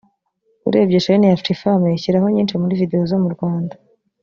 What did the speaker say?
urebye shene ya Afrifame ishyiraho nyinshi muri video zo mu Rwanda